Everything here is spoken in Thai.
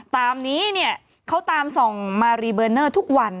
ตามนี้เนี่ยเขาตามส่องมารีเบอร์เนอร์ทุกวัน